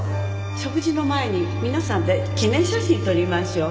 食事の前に皆さんで記念写真撮りましょう